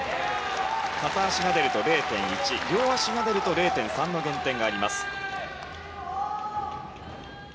片足が出ると０．１両足が出ると０．３の減点があります。